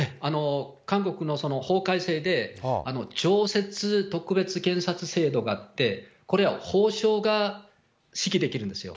韓国の法改正で常設特別検察制度があって、これは法相が指揮できるんですよ。